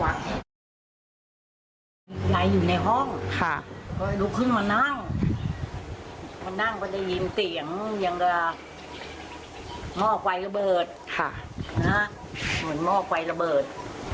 แตกแต่อยู่ในห้องขึ้นมานั่งนั่งมาได้ยินเสียงเหมือนเหมือนมอกไฟระเบิด